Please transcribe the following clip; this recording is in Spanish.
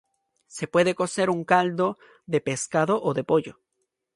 Se puede cocer con caldo de pescado o de pollo.